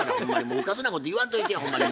うかつなこと言わんといてやほんまに。